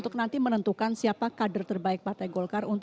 tapi rasa rasanya terlalu cepat